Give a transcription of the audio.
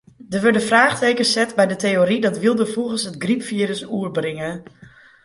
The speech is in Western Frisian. Der wurde fraachtekens set by de teory dat wylde fûgels it grypfirus oerbringe.